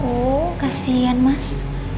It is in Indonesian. oh kasian mas